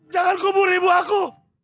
jangan kubur ibu aku